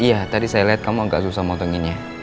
iya tadi saya lihat kamu agak susah motonginnya